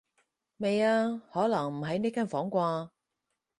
未啊，可能唔喺呢間房啩